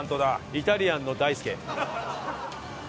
イタリアンの大輔。